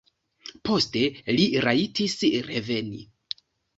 Poste li rajtis reveni.